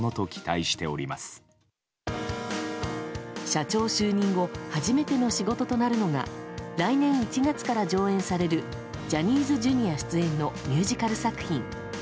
社長就任後初めての仕事となるのが来年１月から上演されるジャニーズＪｒ．出演のミュージカル作品。